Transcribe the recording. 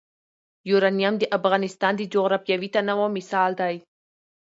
یورانیم د افغانستان د جغرافیوي تنوع مثال دی.